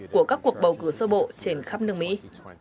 của các cuộc bầu cử sơ bộ trên khắp nước mỹ